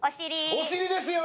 お尻ですよ！